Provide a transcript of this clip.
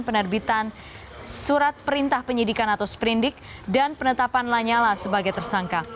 penerbitan surat perintah penyidikan atau sprindik dan penetapan lanyala sebagai tersangka